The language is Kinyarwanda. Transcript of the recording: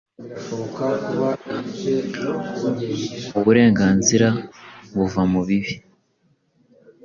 Uburenganzira buva mubibi,